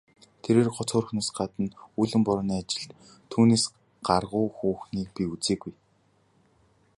Тэрээр гоц хөөрхнөөс гадна үүлэн борооны ажилд түүнээс гаргуу хүүхнийг би үзээгүй.